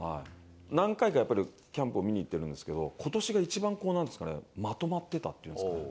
何回かやっぱりキャンプを見に行ってるんですけど、ことしが一番なんですかね、まとまってたっていうんですかね。